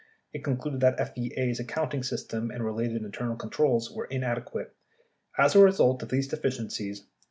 It concluded that FEA's accounting system and related internal controls were inadequate. As a result of these deficiencies.